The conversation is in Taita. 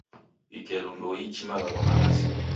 Ikelu ndouichi malagho malazi.